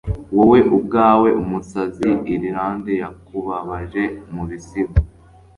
Wowe ubwawe. Umusazi Irlande yakubabaje mubisigo.